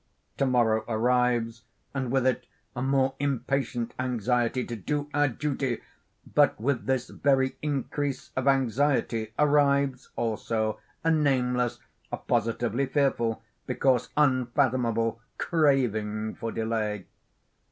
To morrow arrives, and with it a more impatient anxiety to do our duty, but with this very increase of anxiety arrives, also, a nameless, a positively fearful, because unfathomable, craving for delay.